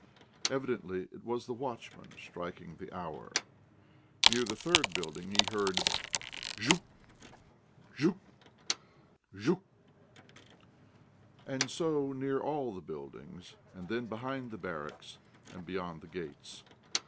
Evidently it was the watchman striking the hour. Near the third building he heard: "Zhuk ... zhuk ... zhuk...." And so near all the buildings, and then behind the barracks and beyond the gates.